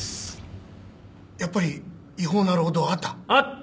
やっぱり違法な労働はあった。